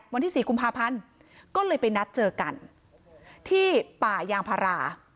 วันที่๔กุมภาพันธ์ก็เลยไปนัดเจอกันที่ป่ายางพารา